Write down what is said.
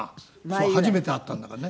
初めて会ったんだからね。